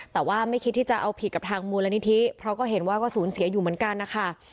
แต่ว่าไม่คิดที่จะเอาผิดกับทางมูลนิธิเพราะก็เห็นว่าก็สูญเสียอยู่เหมือนกันนะคะ